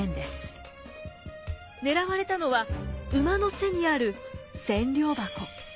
狙われたのは馬の背にある千両箱。